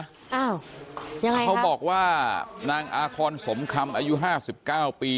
อ้าวยังไงครับเค้าบอกว่านางอาคอนสมคำอายุ๕๙ปี